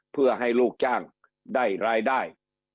เพื่อให้ลูกจ้างได้รายได้